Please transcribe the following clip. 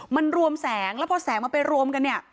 มันรวมแสงแล้วพอแสงมันไปรวมกันเนี่ย